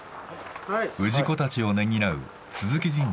氏子たちをねぎらう鈴木神社